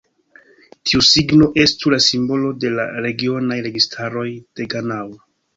Tiu signo estu la simbolo de la regionaj registaroj de Ganao.